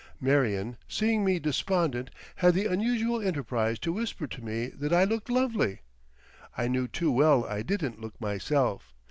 Marion, seeing me despondent had the unusual enterprise to whisper to me that I looked lovely; I knew too well I didn't look myself.